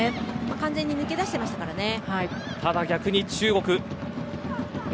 完全に抜け出してましたからね。